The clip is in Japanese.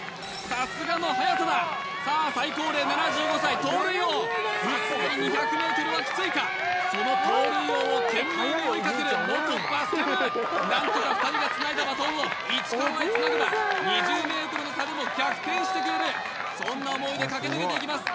さすがに２００ｍはきついかその盗塁王を懸命に追いかける元バスケ部何とか２人がつないだバトンを市川へつなげば２０ｍの差でも逆転してくれるそんな思いで駆け抜けていきます